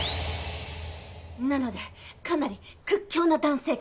なのでかなり屈強な男性かと。